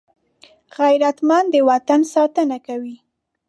غیرتمند د وطن ساتنه کوي